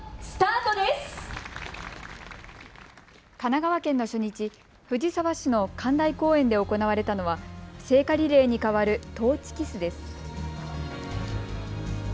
神奈川県の初日、藤沢市の神台公園で行われたのは聖火リレーに代わるトーチキスです。